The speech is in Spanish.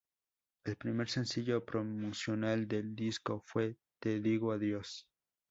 El primer sencillo promocional del disco fue "Te digo adiós".